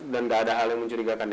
dan gak ada hal yang mencurigakan ya